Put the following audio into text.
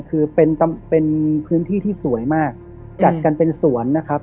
คือเป็นเป็นพื้นที่ที่สวยมากจัดกันเป็นสวนนะครับ